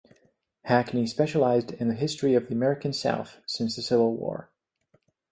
Hackney specialized in the history of the American South since the Civil War.